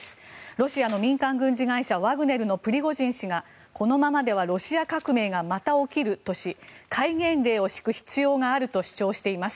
ロシアの民間軍事会社ワグネルプリゴジン氏がこのままではロシア革命がまた起きるとし戒厳令を敷く必要があると主張しています。